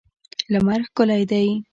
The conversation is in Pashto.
لمر ښکلی دی.